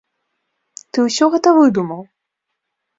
Ты ўсё гэта выдумаў!